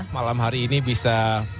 malam hari ini bisa